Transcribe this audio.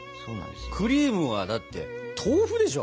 クリームはだって豆腐でしょ？